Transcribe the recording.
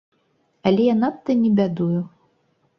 Але я надта не бядую.